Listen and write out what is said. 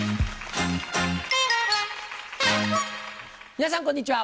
皆さんこんにちは。